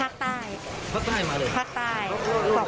มาใกล้สุดมาจากไหน